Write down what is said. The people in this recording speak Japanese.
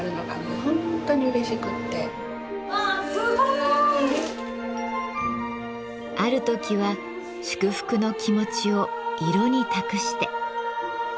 すごい！ある時は祝福の気持ちを色に託して。